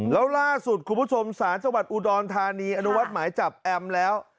แล้วล่าสุดคุณผู้ชมศาลจังหวัดอุดรธานีอนุมัติหมายจับแอมแล้ว